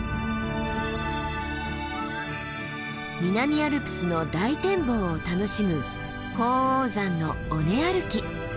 南アルプスの大展望を楽しむ鳳凰山の尾根歩き。